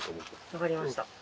分かりました。